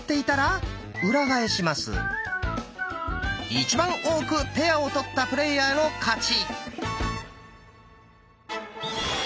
一番多くペアを取ったプレイヤーの勝ち。